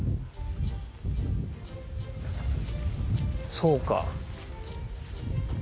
そうか。